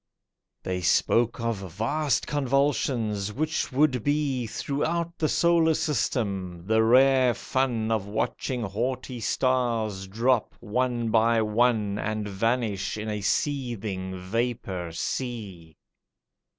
They spoke of vast convulsions which would be Throughout the solar system—the rare fun Of watching haughty stars drop, one by one, And vanish in a seething vapour sea.